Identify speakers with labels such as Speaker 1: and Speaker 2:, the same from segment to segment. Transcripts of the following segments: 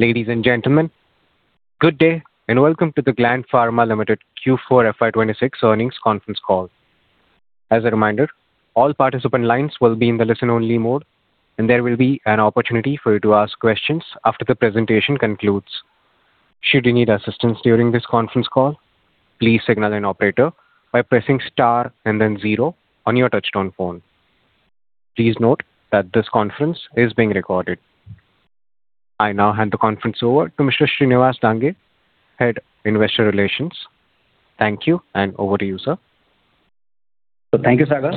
Speaker 1: Ladies and gentlemen, good day, and welcome to the Gland Pharma Limited Q4 FY 2026 earnings conference call. As a reminder, all participant lines will be in the listen-only mode, and there will be an opportunity for you to ask questions after the presentation concludes. Should you need assistance during this conference call, please signal an operator by pressing star and then zero on your touchtone phone. Please note that this conference is being recorded. I now hand the conference over to Mr. Shriniwas Dange, Head, Investor Relations. Thank you, and over to you, sir.
Speaker 2: Thank you, Sagar.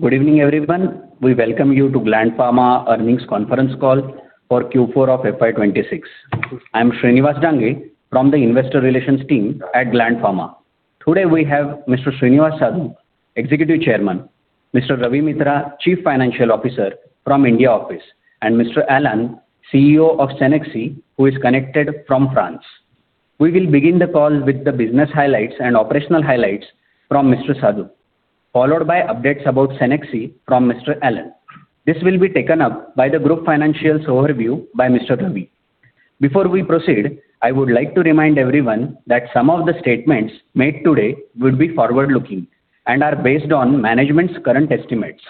Speaker 2: Good evening, everyone. We welcome you to Gland Pharma earnings conference call for Q4 of FY 2026. I am Shriniwas Dange from the Investor Relations team at Gland Pharma. Today, we have Mr. Srinivas Sadu, Executive Chairman, Mr. Ravi Mitra, Chief Financial Officer from India office, and Mr. Alain, CEO of Cenexi, who is connected from France. We will begin the call with the business highlights and operational highlights from Mr. Sadu, followed by updates about Cenexi from Mr. Alain. This will be taken up by the group financials overview by Mr. Ravi. Before we proceed, I would like to remind everyone that some of the statements made today will be forward-looking and are based on management's current estimates.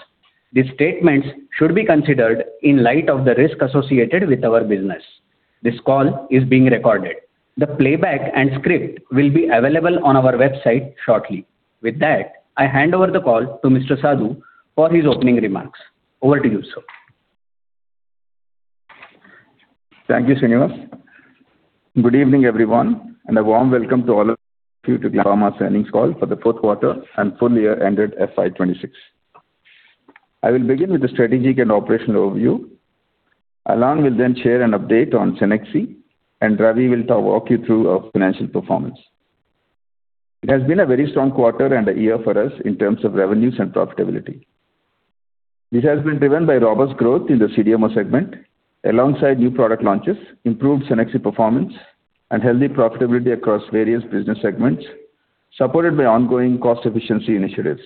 Speaker 2: These statements should be considered in light of the risk associated with our business. This call is being recorded. The playback and script will be available on our website shortly. With that, I hand over the call to Mr. Sadu for his opening remarks. Over to you, sir.
Speaker 3: Thank you, Shriniwas. Good evening, everyone, and a warm welcome to all of you to the Gland Pharma earnings call for the fourth quarter and full year ended FY 2026. I will begin with the strategic and operational overview. Alain will then share an update on Cenexi, and Ravi will walk you through our financial performance. It has been a very strong quarter and a year for us in terms of revenues and profitability. This has been driven by robust growth in the CDMO segment alongside new product launches, improved Cenexi performance and healthy profitability across various business segments, supported by ongoing cost efficiency initiatives.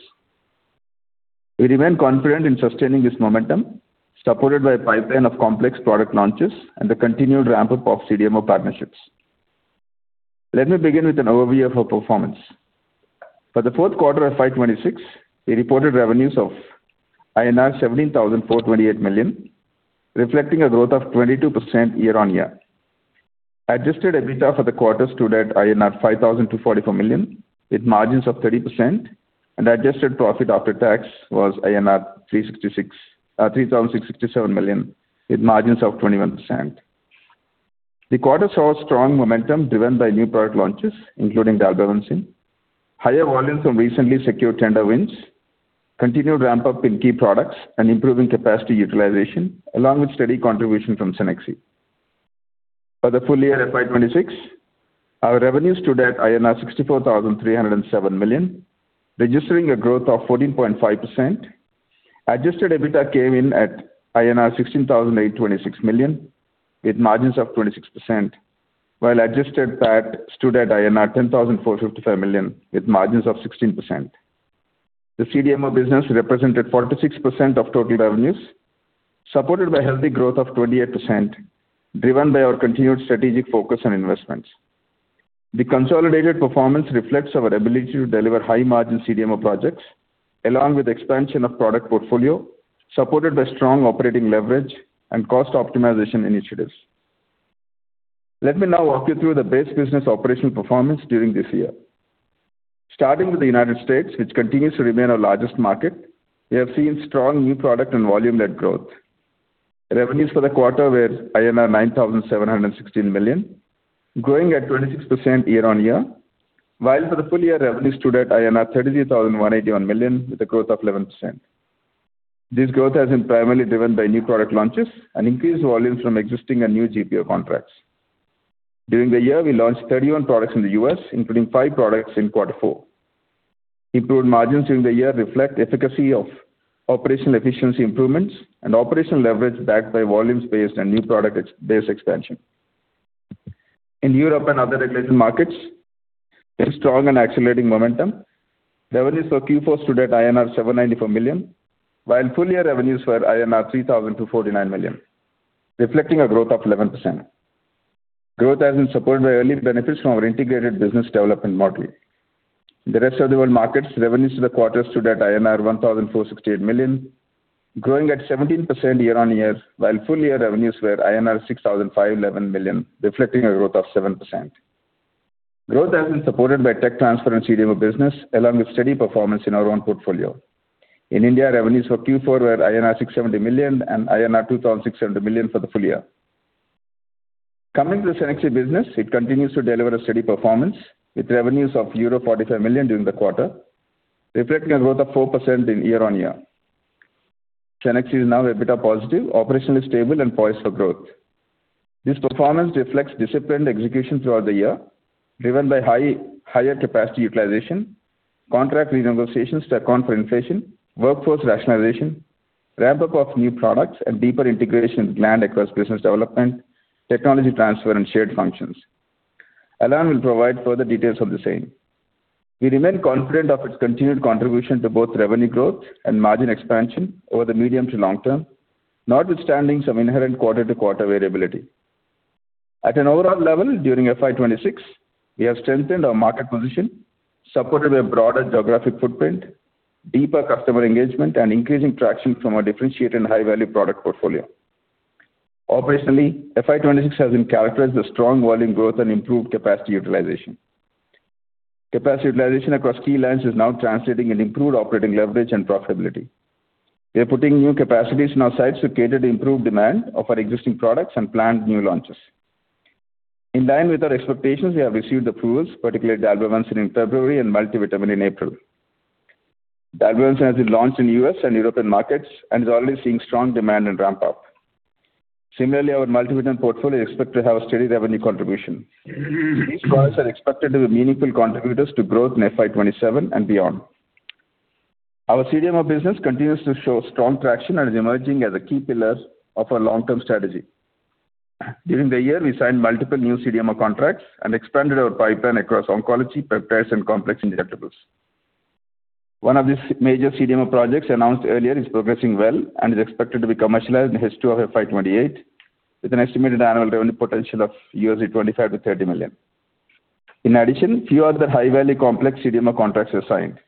Speaker 3: We remain confident in sustaining this momentum, supported by a pipeline of complex product launches and the continued ramp-up of CDMO partnerships. Let me begin with an overview of our performance. For the fourth quarter of FY 2026, we reported revenues of INR 17,428 million, reflecting a growth of 22% year-on-year. Adjusted EBITDA for the quarter stood at INR 5,244 million, wih margins of 30% and adjusted profit after tax was INR 3,667 million with margins of 21%. The quarter saw strong momentum driven by new product launches, including dalbavancin, higher volumes from recently secured tender wins, continued ramp-up in key products and improving capacity utilization along with steady contribution from Cenexi. For the full year FY 2026, our revenue stood at INR 64,307 million, registering a growth of 14.5%. Adjusted EBITDA came in at INR 16,826 million with margins of 26%, while Adjusted PAT stood at INR 10,455 million with margins of 16%. The CDMO business represented 46% of total revenues, supported by healthy growth of 28%, driven by our continued strategic focus and investments. The consolidated performance reflects our ability to deliver high-margin CDMO projects along with expansion of product portfolio, supported by strong operating leverage and cost optimization initiatives. Let me now walk you through the base business operational performance during this year. Starting with the United States, which continues to remain our largest market, we have seen strong new product and volume-led growth. Revenues for the quarter were INR 9,716 million, growing at 26% year-on-year, while for the full year revenue stood at INR 33,181 million with a growth of 11%. This growth has been primarily driven by new product launches and increased volumes from existing and new GPO contracts. During the year, we launched 31 products in the U.S., including five products in quarter four. Improved margins during the year reflect efficacy of operational efficiency improvements and operational leverage backed by volumes-based and new product base expansion. In Europe and other regulated markets, there's strong and accelerating momentum. Revenues for Q4 stood at INR 794 million, while full-year revenues were INR 3,249 million, reflecting a growth of 11%. Growth has been supported by early benefits from our integrated business development model. In the rest of the world markets, revenues for the quarter stood at INR 1,468 million, growing at 17% year-on-year, while full-year revenues were INR 6,511 million, reflecting a growth of 7%. Growth has been supported by tech transfer in CDMO business along with steady performance in our own portfolio. In India, revenues for Q4 were INR 670 million and INR 2,600 million for the full year. Coming to the Cenexi business, it continues to deliver a steady performance with revenues of euro 45 million during the quarter, reflecting a growth of 4% year-on-year. Cenexi is now EBITDA positive, operationally stable and poised for growth. This performance reflects disciplined execution throughout the year, driven by higher capacity utilization, contract renegotiations to account for inflation, workforce rationalization, ramp-up of new products, and deeper integration with Gland across business development, technology transfer and shared functions. Alain will provide further details of the same. We remain confident of its continued contribution to both revenue growth and margin expansion over the medium to long term, notwithstanding some inherent quarter-to-quarter variability. At an overall level, during FY 2026, we have strengthened our market position, supported a broader geographic footprint, deeper customer engagement, and increasing traction from our differentiated and high-value product portfolio. Operationally, FY 2026 has been characterized as strong volume growth and improved capacity utilization. Capacity utilization across key lines is now translating into improved operating leverage and profitability. We are putting new capacities in our sites to cater to improved demand of our existing products and planned new launches. In line with our expectations, we have received approvals, particularly the albumin in February and multivitamin in April. The albumin has been launched in U.S. and European markets and is already seeing strong demand and ramp up. Similarly, our multivitamin portfolio is expected to have a steady revenue contribution. These products are expected to be meaningful contributors to growth in FY 2027 and beyond. Our CDMO business continues to show strong traction and is emerging as a key pillar of our long-term strategy. During the year, we signed multiple new CDMO contracts and expanded our pipeline across oncology, peptides, and complex injectables. One of these major CDMO projects announced earlier is progressing well and is expected to be commercialized in H2 of FY 2028 with an estimated annual revenue potential of $25 million-$30 million. In addition, few other high-value complex CDMO contracts were signed.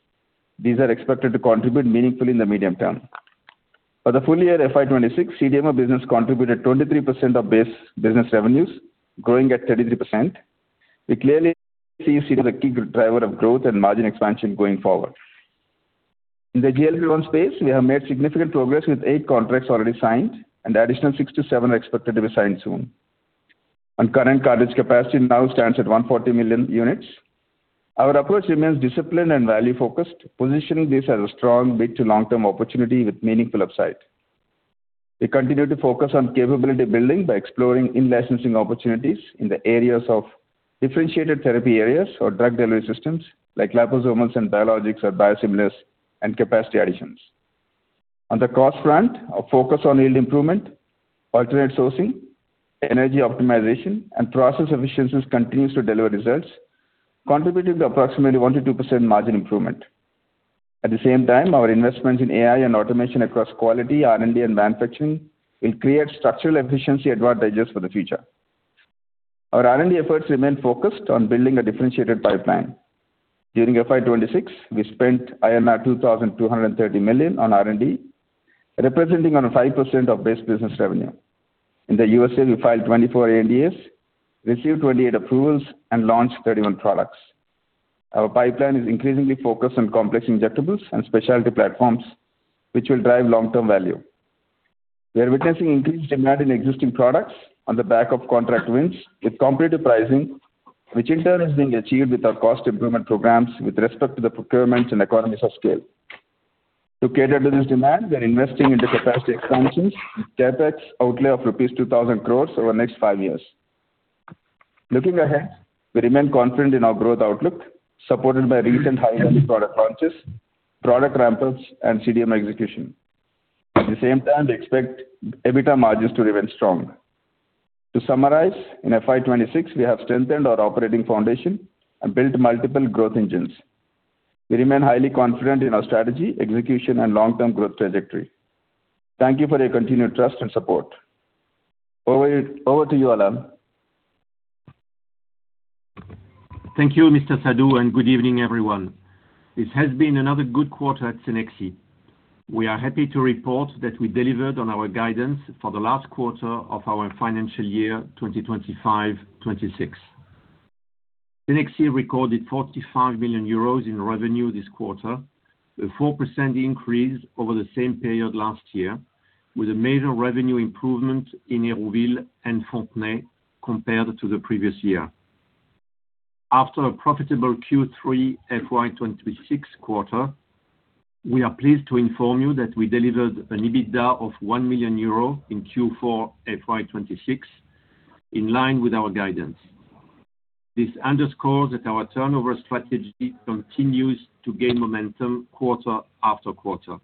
Speaker 3: These are expected to contribute meaningfully in the medium-term. For the full year FY 2026, CDMO business contributed 23% of base business revenues, growing at 33%. We clearly see CDMO as a key driver of growth and margin expansion going forward. In the GLP-1 space, we have made significant progress with eight contracts already signed, and additional six to seven are expected to be signed soon. Our current cartridge capacity now stands at 140 million units. Our approach remains disciplined and value-focused, positioning this as a strong mid to long-term opportunity with meaningful upside. We continue to focus on capability building by exploring in-licensing opportunities in the areas of differentiated therapy areas or drug delivery systems like liposomes and biologics or biosimilars and capacity additions. On the cost front, our focus on yield improvement, alternate sourcing, energy optimization, and process efficiencies continues to deliver results, contributing to approximately 1%-2% margin improvement. At the same time, our investments in AI and automation across quality, R&D, and manufacturing will create structural efficiency advantages for the future. Our R&D efforts remain focused on building a differentiated pipeline. During FY 2026, we spent INR 2,230 million on R&D, representing a 5% of base business revenue. In the U.S.A., we filed 24 ANDAs, received 28 approvals, and launched 31 products. Our pipeline is increasingly focused on complex injectables and specialty platforms, which will drive long-term value. We are witnessing increased demand in existing products on the back of contract wins with competitive pricing, which in turn is being achieved with our cost improvement programs with respect to the procurements and economies of scale. To cater to this demand, we are investing in the capacity expansions with CapEx outlay of rupees 2,000 crores over the next five years. Looking ahead, we remain confident in our growth outlook, supported by recent high-end product launches, product ramp-ups, and CDMO execution. At the same time, we expect EBITDA margins to remain strong. To summarize, in FY 2026, we have strengthened our operating foundation and built multiple growth engines. We remain highly confident in our strategy, execution, and long-term growth trajectory. Thank you for your continued trust and support. Over to you, Alain.
Speaker 4: Thank you, Mr. Sadu. Good evening, everyone. This has been another good quarter at Cenexi. We are happy to report that we delivered on our guidance for the last quarter of our financial year 2026. Cenexi recorded 45 million euros in revenue this quarter, a 4% increase over the same period last year, with a major revenue improvement in Hérouville and Fontenay compared to the previous year. After a profitable Q3 FY 2026 quarter, we are pleased to inform you that we delivered an EBITDA of 1 million euro in Q4 FY 2026, in line with our guidance. This underscores that our turnover strategy continues to gain momentum quarter-after-quarter.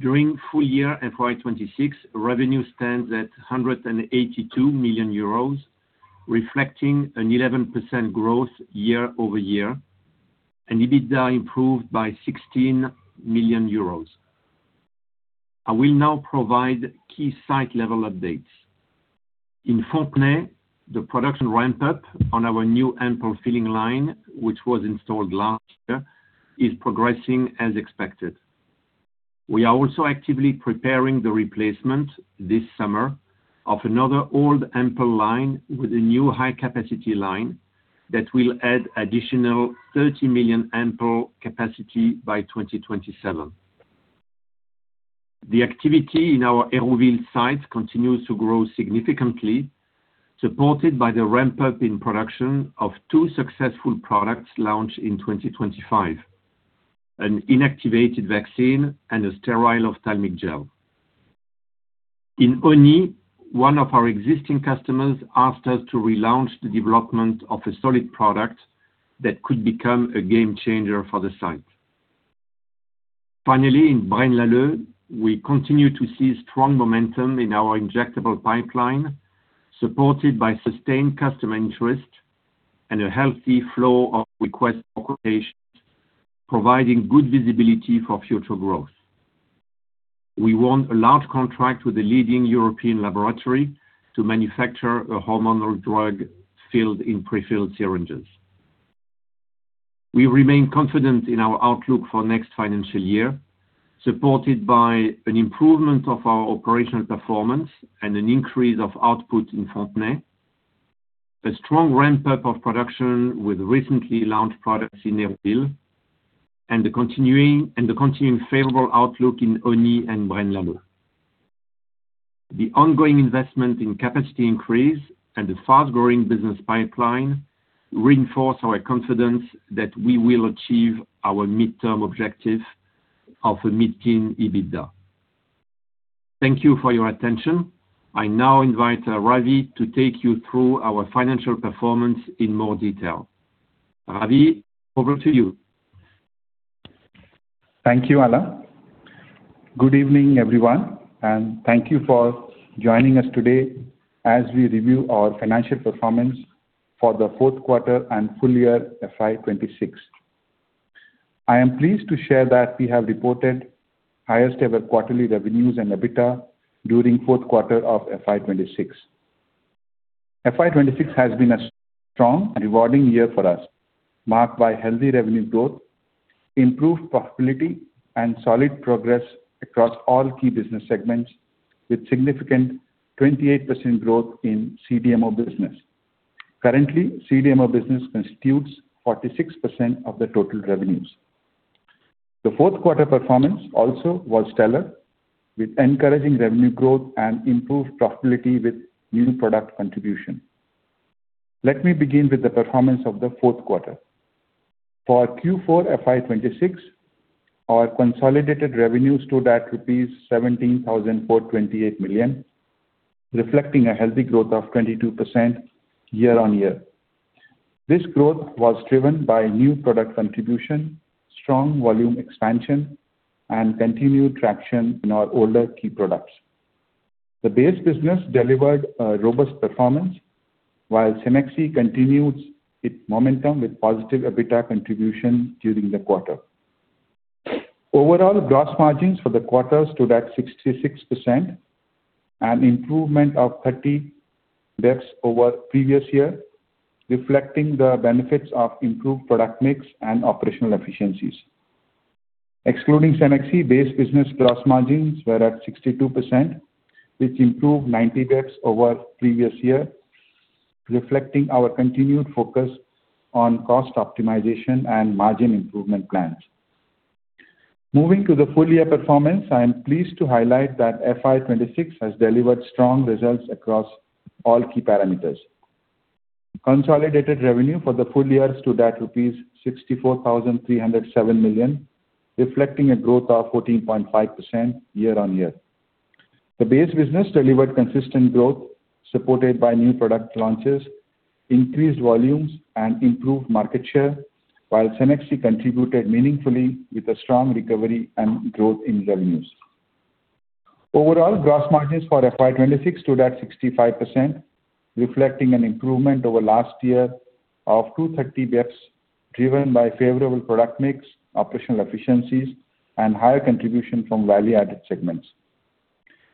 Speaker 4: During full year FY 2026, revenue stands at 182 million euros, reflecting an 11% growth year-over-year, and EBITDA improved by 16 million euros. I will now provide key site level updates. In Fontenay, the production ramp-up on our new ampoule filling line, which was installed last year, is progressing as expected. We are also actively preparing the replacement this summer of another old ampoule line with a new high-capacity line that will add additional 30 million ampoule capacity by 2027. The activity in our Hérouville site continues to grow significantly, supported by the ramp-up in production of two successful products launched in 2025, an inactivated vaccine and a sterile ophthalmic gel. In Osny, one of our existing customers asked us to relaunch the development of a solid product that could become a game changer for the site. In Braine-l'Alleud, we continue to see strong momentum in our injectable pipeline, supported by sustained customer interest and a healthy flow of request for quotations, providing good visibility for future growth. We won a large contract with a leading European laboratory to manufacture a hormonal drug filled in pre-filled syringes. We remain confident in our outlook for next financial year, supported by an improvement of our operational performance and an increase of output in Fontenay, a strong ramp-up of production with recently launched products in Hérouville, and the continuing favorable outlook in Haguenau and Braine-l'Alleud. The ongoing investment in capacity increase and the fast-growing business pipeline reinforce our confidence that we will achieve our midterm objective of a mid-teen EBITDA. Thank you for your attention. I now invite Ravi to take you through our financial performance in more detail. Ravi, over to you.
Speaker 5: Thank you, Alain. Good evening, everyone, and thank you for joining us today as we review our financial performance for the fourth quarter and full year FY 2026. I am pleased to share that we have reported highest ever quarterly revenues and EBITDA during fourth quarter of FY 2026. FY 2026 has been a strong and rewarding year for us, marked by healthy revenue growth, improved profitability, and solid progress across all key business segments, with significant 28% growth in CDMO business. Currently, CDMO business constitutes 46% of the total revenues. The fourth quarter performance also was stellar, with encouraging revenue growth and improved profitability with new product contribution. Let me begin with the performance of the fourth quarter. For Q4 FY 2026, our consolidated revenue stood at 17,428 million, reflecting a healthy growth of 22% year-on-year. This growth was driven by new product contribution, strong volume expansion, and continued traction in our older key products. The base business delivered a robust performance, while Cenexi continues its momentum with positive EBITDA contribution during the quarter. Overall gross margins for the quarter stood at 66%, an improvement of 30 basis points over previous year, reflecting the benefits of improved product mix and operational efficiencies. Excluding Cenexi, base business gross margins were at 62%, which improved 90 basis points over previous year, reflecting our continued focus on cost optimization and margin improvement plans. Moving to the full year performance, I am pleased to highlight that FY 2026 has delivered strong results across all key parameters. Consolidated revenue for the full year stood at rupees 64,307 million, reflecting a growth of 14.5% year-on-year. The Base business delivered consistent growth supported by new product launches, increased volumes, and improved market share, while Cenexi contributed meaningfully with a strong recovery and growth in revenues. Overall, gross margins for FY 2026 stood at 65%, reflecting an improvement over last year of 230 basis points, driven by favorable product mix, operational efficiencies, and higher contribution from value-added segments.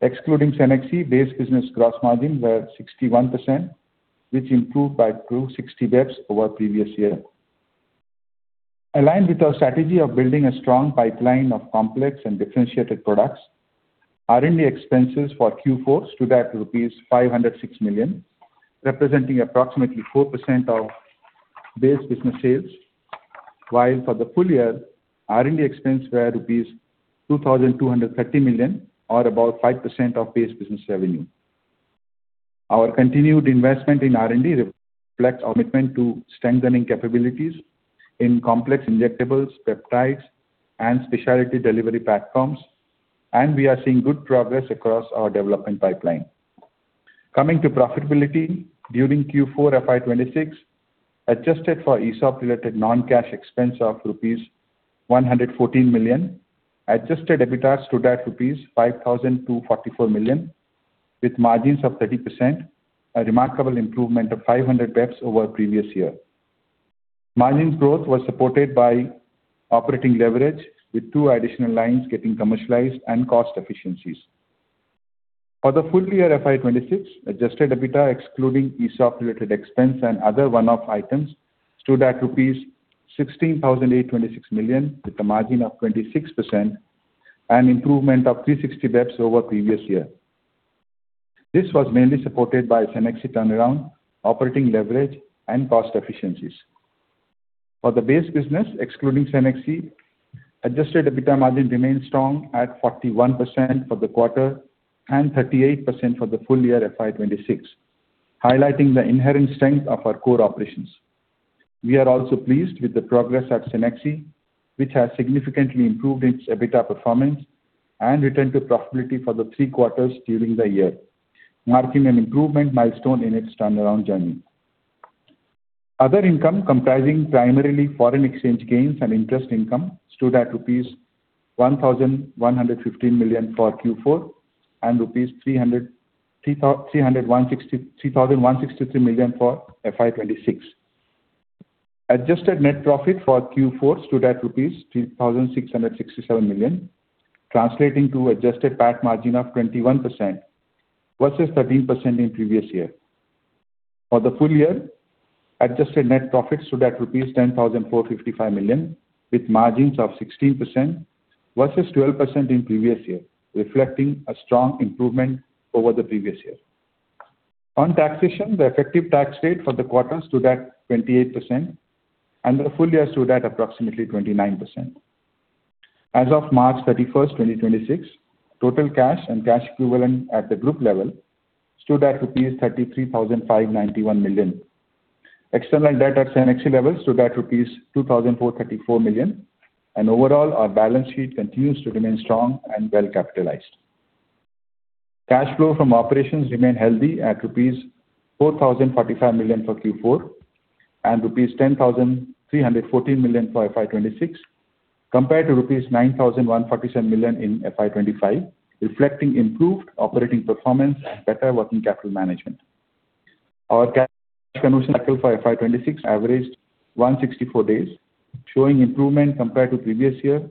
Speaker 5: Excluding Cenexi, Base business gross margins were 61%, which improved by 260 basis points over previous year. Aligned with our strategy of building a strong pipeline of complex and differentiated products, R&D expenses for Q4 stood at rupees 506 million, representing approximately 4% of Base business sales. For the full year, R&D expense were rupees 2,230 million, or about 5% of base business revenue. Our continued investment in R&D reflects our commitment to strengthening capabilities in complex injectables, peptides, and specialty delivery platforms, and we are seeing good progress across our development pipeline. Coming to profitability, during Q4 FY 2026, Adjusted for ESOP-related non-cash expense of rupees 114 million, Adjusted EBITDA stood at rupees 5,244 million, with margins of 30%, a remarkable improvement of 500 basis points over previous year. Margins growth was supported by operating leverage with two additional lines getting commercialized and cost efficiencies. For the full year FY 2026, Adjusted EBITDA excluding ESOP-related expense and other one-off items stood at rupees 16,826 million with a margin of 26%, an improvement of 360 basis points over previous year. This was mainly supported by Cenexi turnaround, operating leverage, and cost efficiencies. For the Base business, excluding Cenexi, Adjusted EBITDA margin remained strong at 41% for the quarter and 38% for the full year FY 2026, highlighting the inherent strength of our core operations. We are also pleased with the progress at Cenexi, which has significantly improved its EBITDA performance and returned to profitability for the three quarters during the year, marking an improvement milestone in its turnaround journey. Other income comprising primarily foreign exchange gains and interest income stood at rupees 1,115 million for Q4 and rupees 3,163 million for FY 2026. Adjusted net profit for Q4 stood at rupees 3,667 million, translating to Adjusted PAT margin of 21% versus 13% in previous year. For the full year, Adjusted net profit stood at rupees 10,455 million with margins of 16% versus 12% in previous year, reflecting a strong improvement over the previous year. On taxation, the effective tax rate for the quarter stood at 28% and the full year stood at approximately 29%. As of March 31, 2026, total cash and cash equivalent at the group level stood at rupees 33,591 million. External debt at Cenexi level stood at rupees 2,434 million. Overall, our balance sheet continues to remain strong and well capitalized. Cash flow from operations remain healthy at rupees 4,045 million for Q4 and rupees 10,314 million for FY 2026 compared to rupees 9,147 million in FY 2025, reflecting improved operating performance and better working capital management. Our cash conversion cycle for FY 2026 averaged 164 days, showing improvement compared to previous year,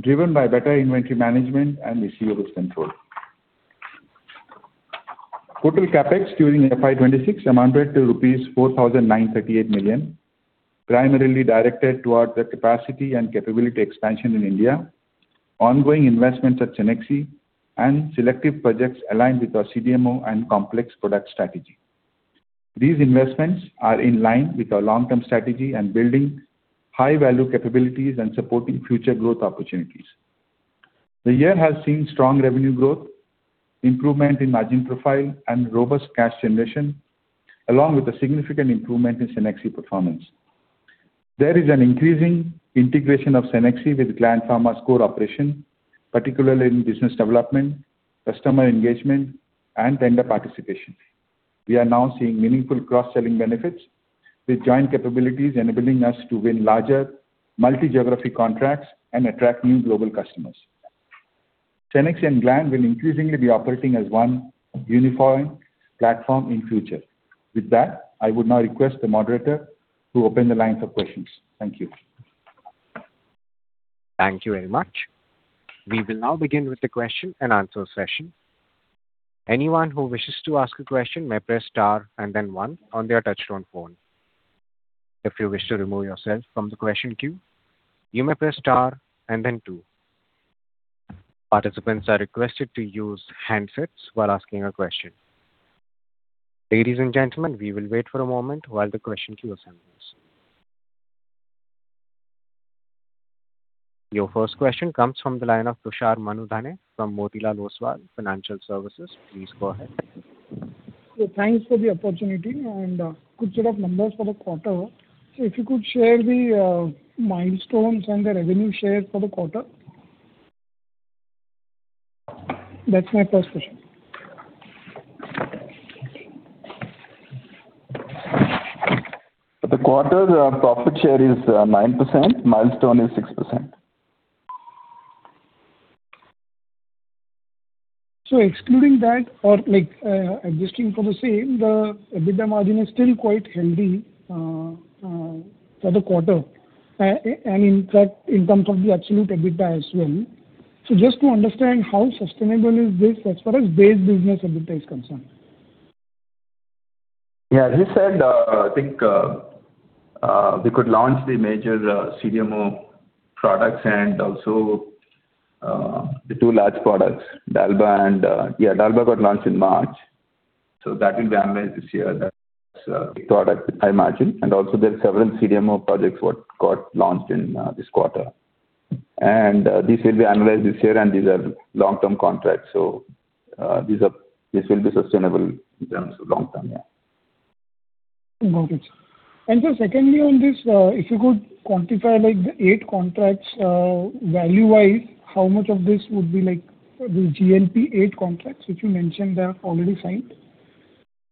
Speaker 5: driven by better inventory management and receivables control. Total CapEx during FY 2026 amounted to rupees 4,938 million, primarily directed toward the capacity and capability expansion in India, ongoing investments at Cenexi and selective projects aligned with our CDMO and complex product strategy. These investments are in line with our long-term strategy and building high value capabilities and supporting future growth opportunities. The year has seen strong revenue growth, improvement in margin profile and robust cash generation, along with a significant improvement in Cenexi performance. There is an increasing integration of Cenexi with Gland Pharma's core operation, particularly in business development, customer engagement and tender participation. We are now seeing meaningful cross-selling benefits with joint capabilities enabling us to win larger multi-geography contracts and attract new global customers. Cenexi and Gland will increasingly be operating as one uniform platform in future. With that, I would now request the moderator to open the lines for questions. Thank you.
Speaker 1: Thank you very much. We will now begin with the question and answer session. Anyone who wishes to ask a question may press star and then one on their touchtone phone. If you wish to remove yourself from the question queue, you may press star and then two. Participants are requested to use handsets while asking a question. Ladies and gentlemen, we will wait for a moment while the question queue assembles. Your first question comes from the line of Tushar Manudhane from Motilal Oswal Financial Services. Please go ahead.
Speaker 6: Thanks for the opportunity and good set of numbers for the quarter. If you could share the milestones and the revenue shares for the quarter? That's my first question.
Speaker 3: For the quarter, profit share is 9%, milestone is 6%.
Speaker 6: Excluding that or adjusting for the same, the EBITDA margin is still quite healthy for the quarter, and in fact, in terms of the absolute EBITDA as well. Just to understand how sustainable is this as far as base business EBITDA is concerned.
Speaker 3: Yeah, as I said, I think we could launch the major CDMO products and also the two large products, dalba and, yeah, dalba got launched in March, so that will be analyzed this year. That's a big product, I imagine. Also there are several CDMO projects what got launched in this quarter. This will be analyzed this year, and these are long-term contracts. This will be sustainable in terms of long-term. Yeah.
Speaker 6: Got it. Secondly on this, if you could quantify like the eight contracts, value-wise, how much of this would be like the GLP-1 eight contracts which you mentioned are already signed?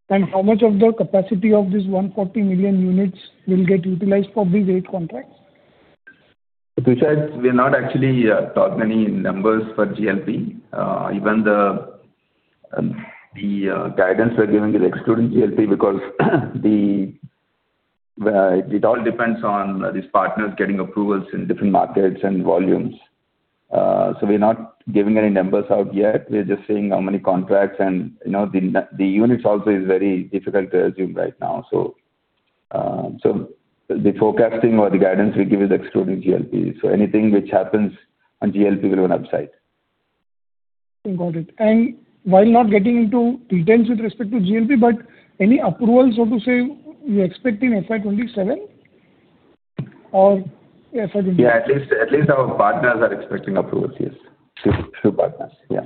Speaker 6: How much of the capacity of this 140 million units will get utilized for these eight contracts?
Speaker 3: Tushar, we're not actually talking any numbers for GLP-1. Even the guidance we're giving is excluding GLP-1 because it all depends on these partners getting approvals in different markets and volumes. We're not giving any numbers out yet. We're just saying how many contracts and, you know, the units also is very difficult to assume right now. The forecasting or the guidance we give is excluding GLP-1. Anything which happens on GLP-1 will run upside.
Speaker 6: Got it. While not getting into details with respect to GLP-1, but any approval, so to say, you expect in FY 2027 or FY 2028?
Speaker 3: Yeah. At least our partners are expecting approvals. Yes. Two partners. Yeah.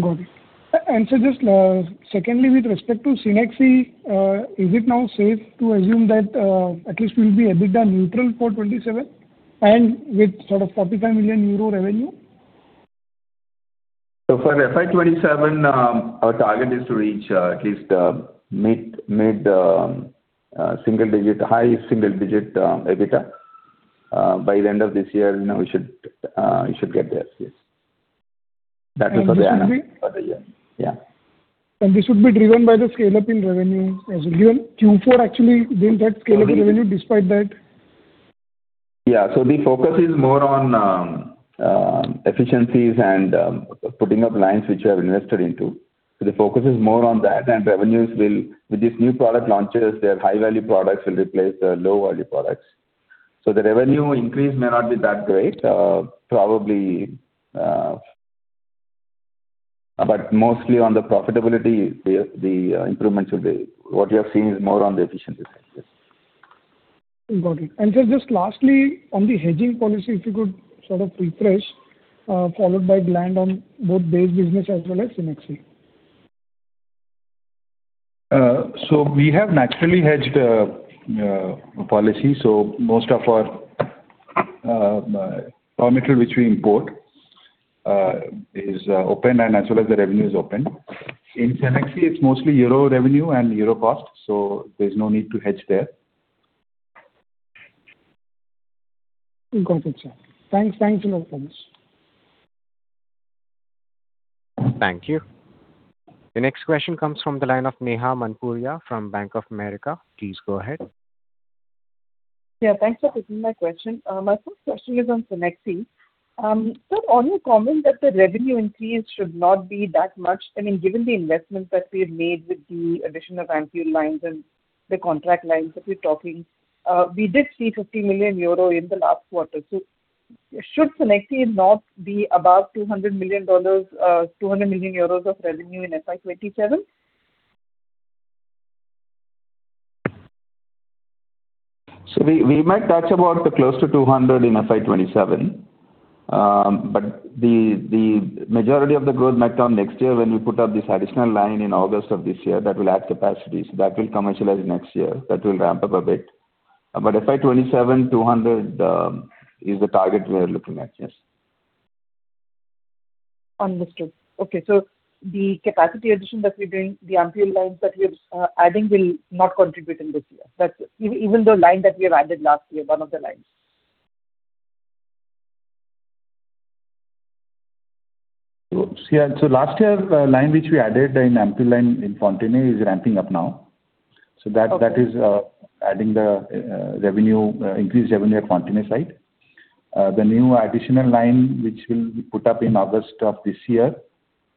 Speaker 6: Got it. Just, secondly, with respect to Cenexi, is it now safe to assume that, at least we'll be EBITDA neutral for 2027 and with sort of 45 million euro revenue?
Speaker 3: For FY 2027, our target is to reach, at least, mid single-digit, high single-digit, EBITDA. By the end of this year, you know, we should get there. Yes.
Speaker 6: This should be-
Speaker 3: For the year. Yeah.
Speaker 6: This should be driven by the scale-up in revenue as well. Given Q4 actually didn't have scale-up in revenue despite that.
Speaker 3: Yeah. The focus is more on efficiencies and putting up lines which we have invested into. The focus is more on that and with these new product launches, their high-value products will replace the low-value products. The revenue increase may not be that great. Mostly on the profitability, the improvements will be. What you have seen is more on the efficiency side. Yes.
Speaker 6: Got it. Sir, just lastly, on the hedging policy, if you could sort of refresh, followed by Gland Pharma on both base business as well as Cenexi?
Speaker 3: We have naturally hedged policy. Most of our raw material which we import is open and as well as the revenue is open. In Cenexi, it's mostly euro revenue and euro cost, there's no need to hedge there.
Speaker 6: Got it, sir. Thanks. Thanks a lot for this.
Speaker 1: Thank you. The next question comes from the line of Neha Manpuria from Bank of America. Please go ahead.
Speaker 7: Yeah, thanks for taking my question. My first question is on Cenexi. On your comment that the revenue increase should not be that much, I mean, given the investments that we have made with the addition of ampoule lines and the contract lines that we're talking, we did see 50 million euro in the last quarter. Should Cenexi not be above EUR 200 million of revenue in FY 2027?
Speaker 3: We might touch about close to 200 million in FY 2027. The majority of the growth might come next year when we put up this additional line in August of this year that will add capacity. That will commercialize next year. That will ramp up a bit. FY 2027, 200 million is the target we're looking at. Yes.
Speaker 7: Understood. Okay. The capacity addition that we're doing, the ampoule lines that we're adding will not contribute in this year. Even the line that we have added last year, one of the lines.
Speaker 3: Last year's line which we added, the ampoule line in Fontenay is ramping up now.
Speaker 7: Okay.
Speaker 3: That is adding the revenue, increased revenue at Fontenay site. The new additional line which will be put up in August of this year,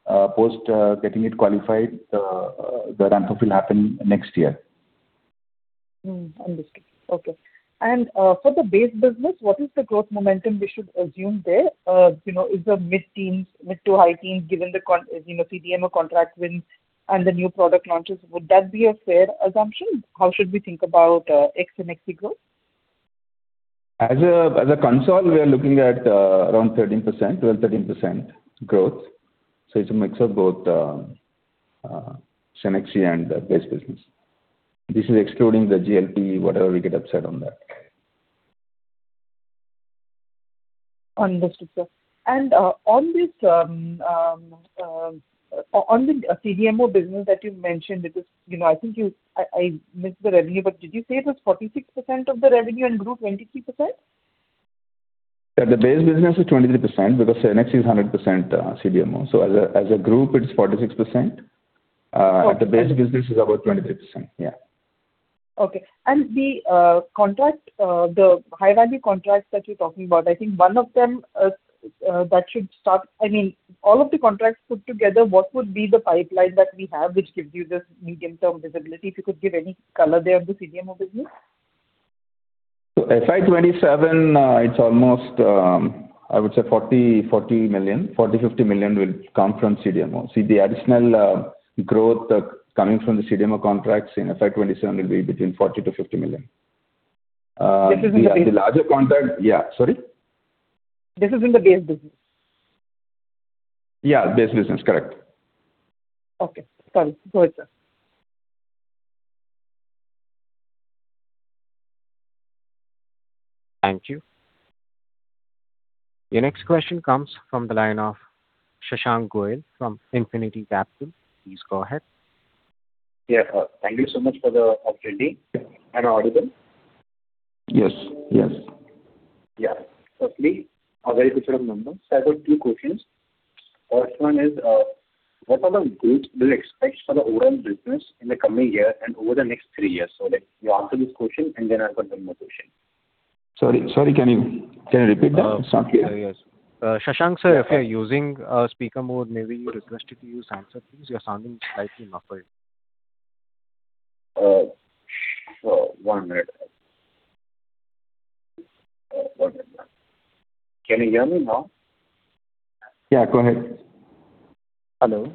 Speaker 3: post getting it qualified, the ramp-up will happen next year.
Speaker 7: Understood. Okay. For the Base business, what is the growth momentum we should assume there? You know, is the mid-teens, mid to high-teens, given the you know, CDMO contract wins and the new product launches, would that be a fair assumption? How should we think about ex Cenexi growth?
Speaker 3: As a console, we are looking at around 13%, 12%-13% growth. It's a mix of both Cenexi and the base business. This is excluding the GLP, whatever we get offset on that.
Speaker 7: Understood, sir. On this CDMO business that you mentioned, because, you know, I missed the revenue, but did you say it was 46% of the revenue and grew 23%?
Speaker 3: Yeah. The base business is 23% because Cenexi is 100% CDMO. As a group, it's 46%.
Speaker 7: Okay.
Speaker 3: At the Base business is about 23%. Yeah.
Speaker 7: Okay. The contract, the high-value contracts that you're talking about, I think one of them, that should start I mean, all of the contracts put together, what would be the pipeline that we have which gives you this medium-term visibility? If you could give any color there of the CDMO business.
Speaker 3: FY 2027, it's almost, I would say 40 million. 40 million-50 million will come from CDMO. The additional growth coming from the CDMO contracts in FY 2027 will be between 40 million-50 million.
Speaker 7: This is in the Base-
Speaker 3: The larger contract. Yeah. Sorry?
Speaker 7: This is in the Base business?
Speaker 3: Yeah, Base business. Correct.
Speaker 7: Okay. Sorry. Go ahead, sir.
Speaker 1: Thank you. The next question comes from the line of [Shashank Goel] from Infinity Capital. Please go ahead.
Speaker 8: Yeah. Thank you so much for the opportunity. Am I audible?
Speaker 3: Yes.
Speaker 1: Yes.
Speaker 8: Yeah. Firstly, a very good set of numbers. I have two questions. First one is, what are the growth do you expect for the overall business in the coming year and over the next three years? Like, you answer this question, I've got one more question.
Speaker 3: Sorry. Can you repeat that? It's not clear.
Speaker 1: Yes. [Shashank], sir, if you're using, speaker mode, may we request you to use answer please? You're sounding slightly muffled.
Speaker 8: One minute. Can you hear me now?
Speaker 1: Yeah, go ahead.
Speaker 8: Hello.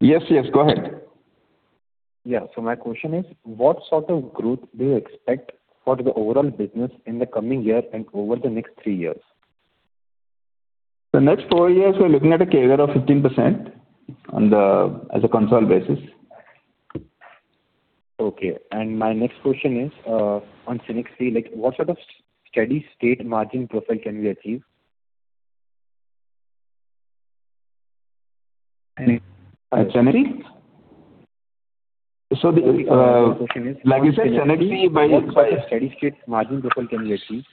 Speaker 3: Yes. Yes, go ahead.
Speaker 8: Yeah. My question is, what sort of growth do you expect for the overall business in the coming year and over the next three years?
Speaker 3: The next four years, we're looking at a CAGR of 15% as a consolidated basis.
Speaker 8: Okay. My next question is, on Cenexi, like what sort of steady-state margin profile can we achieve?
Speaker 3: Cenexi?
Speaker 8: The, like you said, Cenexi.
Speaker 3: Like you said, Cenexi.
Speaker 8: What kind of steady-state margin profile can we achieve?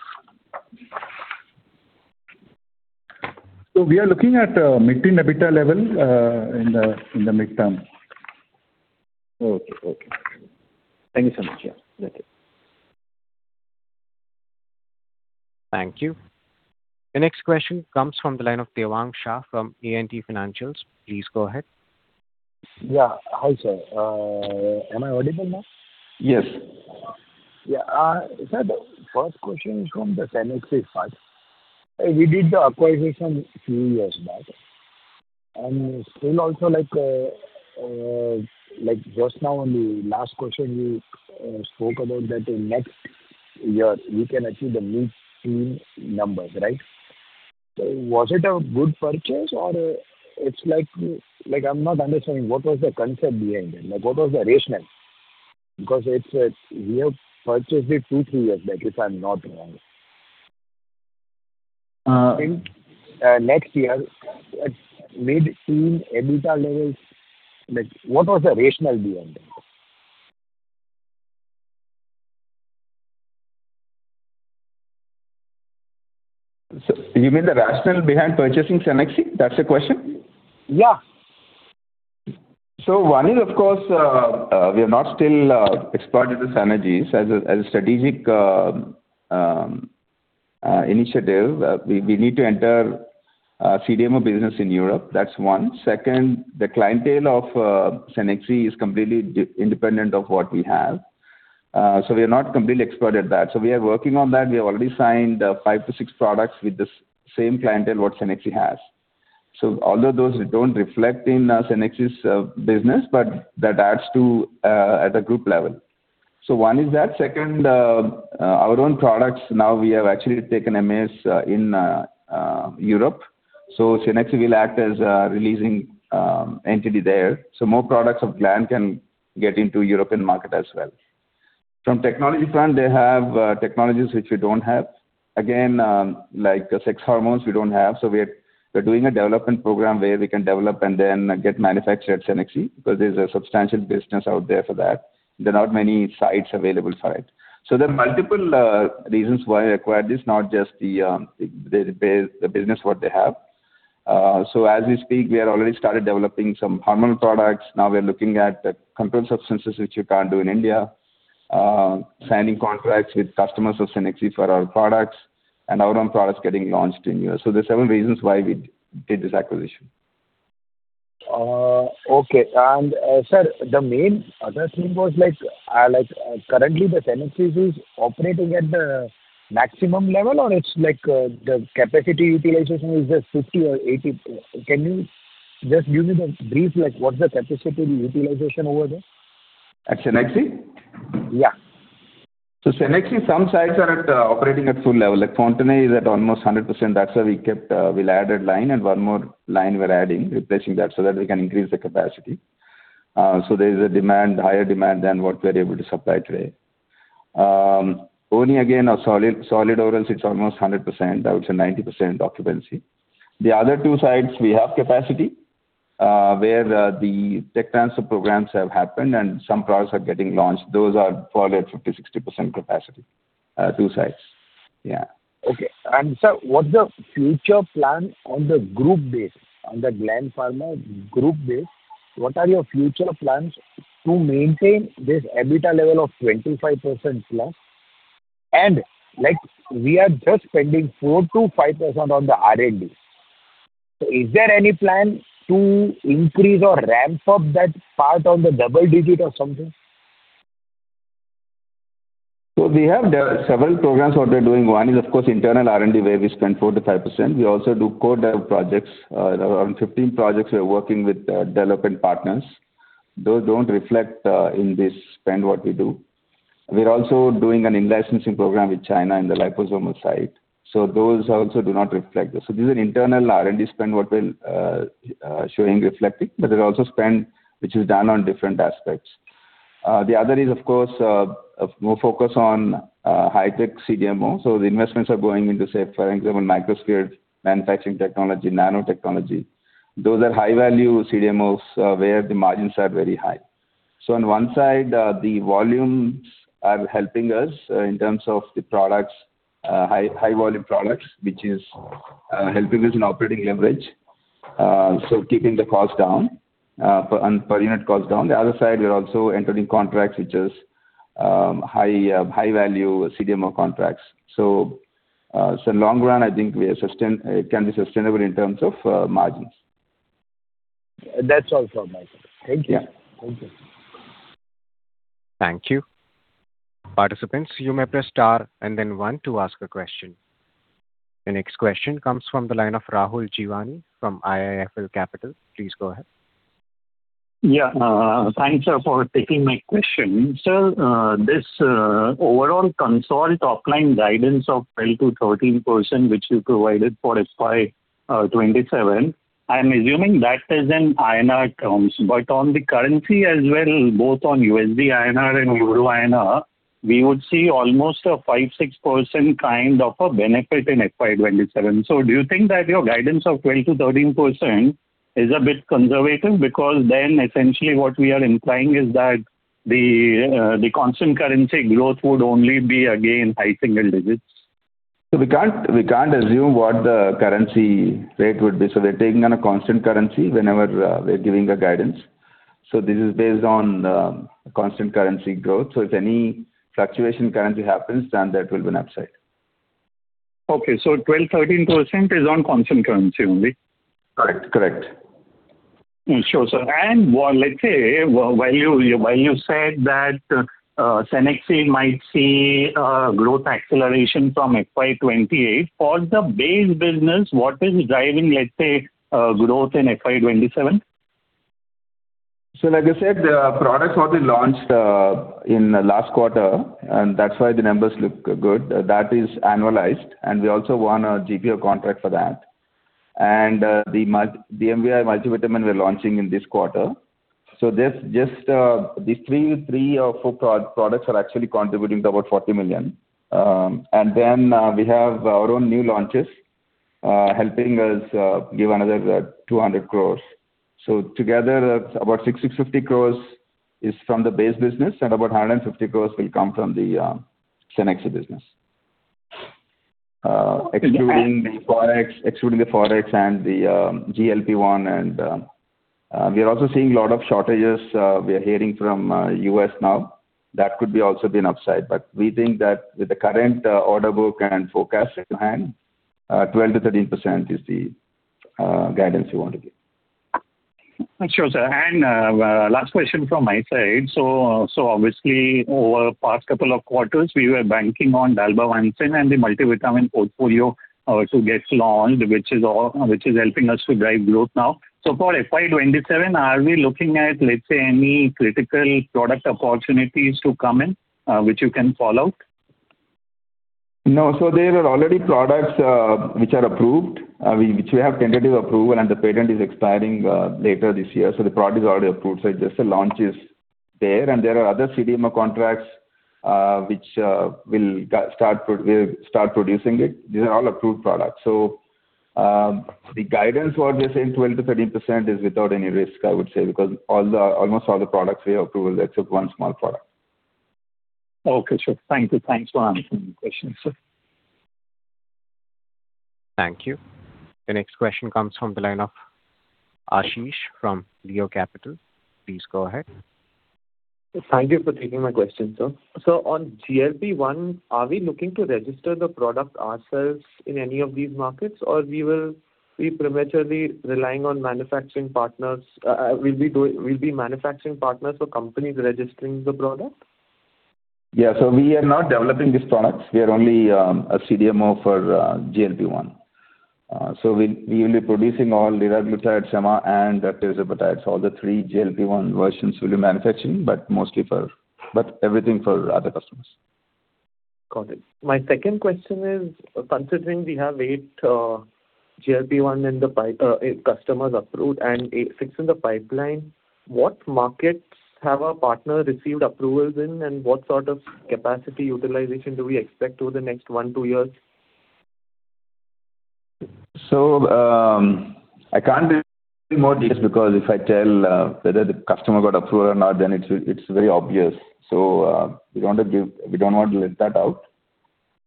Speaker 3: We are looking at mid-teen EBITDA level in the midterm.
Speaker 8: Okay. Okay. Thank you so much. Yeah, that's it.
Speaker 1: Thank you. The next question comes from the line of Devang Shah from ENT Financials. Please go ahead.
Speaker 9: Yeah. Hi, sir. Am I audible now?
Speaker 3: Yes.
Speaker 9: Sir, the first question is from the Cenexi part. We did the acquisition few years back, and still also like just now on the last question you spoke about that in next year we can achieve the mid-teen numbers, right? Was it a good purchase or it's like, I'm not understanding what was the concept behind it. Like, what was the rationale? Because it's, we have purchased it two, three years back, if I'm not wrong.
Speaker 3: Uh-
Speaker 9: In, next year at mid-teen EBITDA levels, like, what was the rationale behind it?
Speaker 3: You mean the rationale behind purchasing Cenexi? That's the question?
Speaker 9: Yeah.
Speaker 3: One is, of course, we have not still exploited the synergies. As a strategic initiative, we need to enter CDMO business in Europe. That's one. Second, the clientele of Cenexi is completely independent of what we have. We are not completely exploited that. We are working on that. We have already signed five to six products with the same clientele what Cenexi has. Although those don't reflect in Cenexi's business, but that adds to at a group level. One is that. Second, our own products now we have actually taken MA in Europe. Cenexi will act as a releasing entity there. More products of Gland can get into European market as well. From technology front, they have technologies which we don't have. Again, like sex hormones we don't have, so we're doing a development program where we can develop and then get manufactured at Cenexi, because there's a substantial business out there for that. There are not many sites available for it. There are multiple reasons why I acquired this, not just the business what they have. As we speak, we have already started developing some hormone products. Now we are looking at the controlled substances which you can't do in India. Signing contracts with customers of Cenexi for our products and our own products getting launched in U.S. There are several reasons why we did this acquisition.
Speaker 9: Okay. sir, the main other thing was like, currently the Cenexi is operating at the maximum level or it's like, the capacity utilization is at 50% or 80%? Can you just give me the brief, like what's the capacity utilization over there?
Speaker 3: At Cenexi?
Speaker 9: Yeah.
Speaker 3: Cenexi, some sites are at operating at full level. Like Fontenay is at almost 100%. That's why we added line and one more line we're adding, replacing that so that we can increase the capacity. There is a demand, higher demand than what we're able to supply today. Only again our solid orals, it's almost 100%. I would say 90% occupancy. The other two sites we have capacity, where the tech transfer programs have happened and some products are getting launched. Those are probably at 50%-60% capacity, two sites.
Speaker 9: Okay. Sir, on the Gland Pharma group base, what are your future plans to maintain this EBITDA level of 25%+? Like we are just spending 4%-5% on the R&D. Is there any plan to increase or ramp up that part on the double-digit or something?
Speaker 3: We have the several programs what we are doing. One is of course internal R&D where we spend 4%-5%. We also do co-dev projects. Around 15 projects we are working with development partners. Those don't reflect in this spend what we do. We're also doing an in-licensing program with China in the liposomal site. Those also do not reflect. This is an internal R&D spend what we're showing reflecting, but there's also spend which is done on different aspects. The other is of course more focus on high-tech CDMO. The investments are going into, say, for example, microscale manufacturing technology, nanotechnology. Those are high value CDMOs where the margins are very high. On one side, the volumes are helping us in terms of the products, high, high volume products, which is helping us in operating leverage. Keeping the cost down and per unit cost down. The other side, we are also entering contracts which is high, high value CDMO contracts. Long run, I think we can be sustainable in terms of margins.
Speaker 9: That's all from my side. Thank you.
Speaker 3: Yeah.
Speaker 9: Thank you.
Speaker 1: Thank you. Participants, you may press star and then one to ask a question. The next question comes from the line of Rahul Jeewani from IIFL Capital. Please go ahead.
Speaker 10: Yeah. Thanks, sir, for taking my question. Sir, this overall consult top line guidance of 12%-13% which you provided for FY 2027. I'm assuming that is in INR terms. On the currency as well, both on USD INR and Euro INR, we would see almost a 5%-6% kind of a benefit in FY 2027. Do you think that your guidance of 12%-13% is a bit conservative? Essentially what we are implying is that the constant currency growth would only be, again, high singl-digits.
Speaker 3: We can't assume what the currency rate would be. We're taking on a constant currency whenever we're giving a guidance. This is based on constant currency growth. If any fluctuation currency happens, then that will be an upside.
Speaker 10: Okay. 12%, 13% is on constant currency only?
Speaker 3: Correct. Correct.
Speaker 10: Sure, sir. Well, let's say while you said that, Cenexi might see growth acceleration from FY 2028, for the Base business, what is driving, let's say, growth in FY 2027?
Speaker 3: Like I said, the products what we launched in the last quarter, and that's why the numbers look good. That is annualized, we also won a GPO contract for that. The DMVI multivitamin we're launching in this quarter. This just these three or four products are actually contributing to about 40 million. We have our own new launches helping us give another 200 crores. Together that's about 650 crores is from the base business and about 150 crores will come from the Cenexi business.
Speaker 10: Okay.
Speaker 3: Excluding the Forex, excluding the Forex and the GLP-1, we are also seeing a lot of shortages, we are hearing from U.S. now. That could also be an upside. We think that with the current order book and forecast in hand, 12%-13% is the guidance we want to give.
Speaker 10: Sure, sir. Last question from my side. Obviously over past couple of quarters, we were banking on dalbavancin and the multivitamin portfolio, which gets launched, which is helping us to drive growth now. For FY 2027, are we looking at, let's say, any critical product opportunities to come in, which you can call out?
Speaker 3: No. There are already products which are approved, which we have tentative approval and the patent is expiring later this year. The product is already approved, just the launch is there. There are other CDMO contracts which we'll start producing it. These are all approved products. The guidance what we're saying, 12%-13% is without any risk, I would say, because almost all the products we have approval except one small product.
Speaker 10: Okay, sure. Thank you. Thanks for answering the questions, sir.
Speaker 1: Thank you. The next question comes from the line of Ashish from Leo Capital. Please go ahead.
Speaker 11: Thank you for taking my question, sir. On GLP-1, are we looking to register the product ourselves in any of these markets or we will be prematurely relying on manufacturing partners, we'll be manufacturing partners for companies registering the product?
Speaker 3: Yeah. We are not developing these products. We are only a CDMO for GLP-1. We will be producing all liraglutide, semaglutide and tirzepatide. All the 3 GLP-1 versions we'll be manufacturing, but everything for other customers.
Speaker 11: Got it. My second question is, considering we have eight GLP-1 in the pipe, eight customers approved and six in the pipeline, what markets have our partner received approvals in and what sort of capacity utilization do we expect over the next one, two years?
Speaker 3: I can't give more details because if I tell whether the customer got approved or not, then it's very obvious. We don't want to let that out.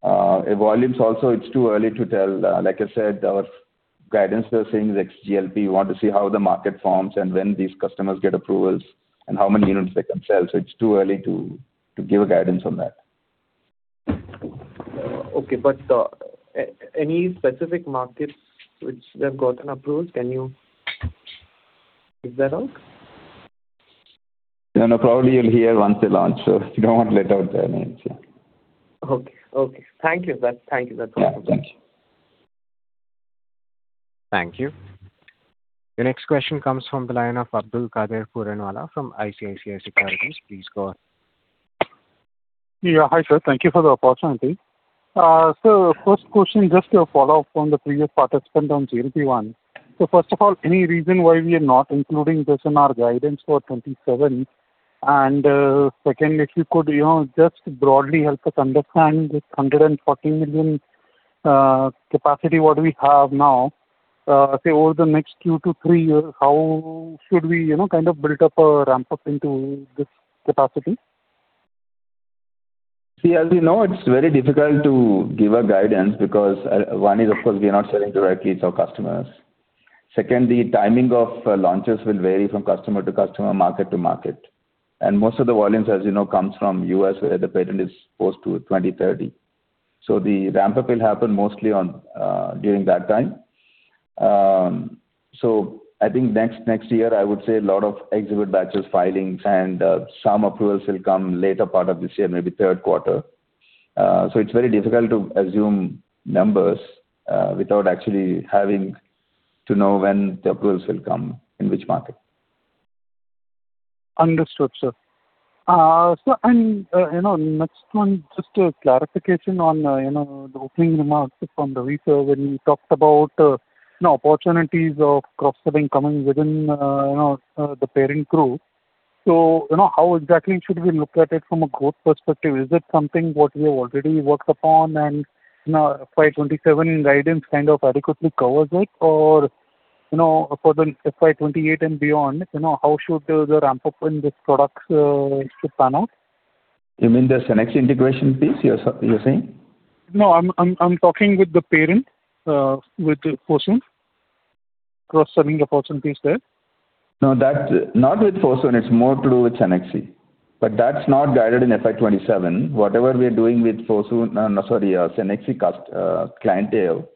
Speaker 3: Volumes also, it's too early to tell. Like I said, our guidance we're saying is ex-GLP. We want to see how the market forms and when these customers get approvals and how many units they can sell. It's too early to give a guidance on that.
Speaker 11: Okay. Any specific markets which they've gotten approved, can you give that out?
Speaker 3: No, no, probably you'll hear once they launch. We don't want to let out their names, yeah.
Speaker 11: Okay. Thank you. That's all from me.
Speaker 3: Yeah. Thank you.
Speaker 1: Thank you. The next question comes from the line of Abdulkader Puranwala from ICICI Securities. Please go ahead.
Speaker 12: Yeah. Hi, sir. Thank you for the opportunity. First question, just a follow-up from the previous participant on GLP-1. First of all, any reason why we are not including this in our guidance for 2027? Secondly, if you could, you know, just broadly help us understand this 140 million capacity what we have now. Say over the next two to three years, how should we, you know, kind of build up a ramp-up into this capacity?
Speaker 3: See, as you know, it's very difficult to give a guidance because one is of course we are not selling directly to our customers. Second, the timing of launches will vary from customer to customer, market to market. Most of the volumes, as you know, comes from U.S., where the patent is supposed to 2030. The ramp-up will happen mostly on during that time. I think next year I would say a lot of exhibit batches filings and some approvals will come later part of this year, maybe 3rd quarter. It's very difficult to assume numbers without actually having to know when the approvals will come in which market.
Speaker 12: Understood, sir. You know, next one just a clarification on, you know, the opening remarks from Ravi, sir, when he talked about, you know, opportunities of cross-selling coming within, you know, the parent group. You know, how exactly should we look at it from a growth perspective? Is it something what we have already worked upon and, you know, FY 2027 guidance kind of adequately covers it? You know, for the FY 2028 and beyond, you know, how should the ramp-up in these products, should pan out?
Speaker 3: You mean the Cenexi integration piece you're saying?
Speaker 12: No, I'm talking with the parent, with Fosun. Cross-selling the Fosun piece there.
Speaker 3: That's not with Fosun. It's more to do with Cenexi. That's not guided in FY 2027. Cenexi clientele,